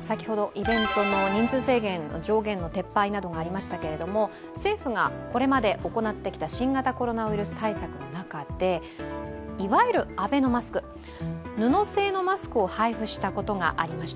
先ほどイベントの人数制限、上限の撤廃などがありましたが政府がこれまで行ってきた新型コロナウイルス対策の中でいわゆるアベノマスク、布製のマスクを配布したことがありました。